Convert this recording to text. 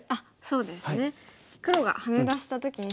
そうですね。